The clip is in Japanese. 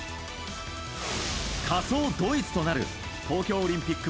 仮想ドイツとなる東京オリンピック